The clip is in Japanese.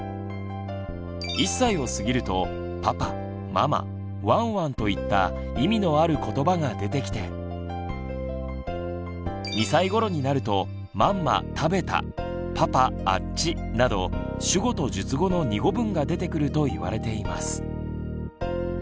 １歳を過ぎると「パパ」「ママ」「ワンワン」といった意味のあることばが出てきて２歳頃になると「マンマたべた」「パパあっち」など主語と述語の二語文が出てくると言われています。